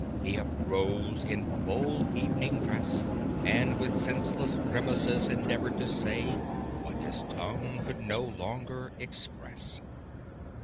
He uprose in full evening dress, And with senseless grimaces endeavoured to say What his tongue could no longer express.